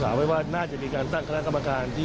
เมื่อว่าน่าจะน่าจะตั้งออกต่างชีวิต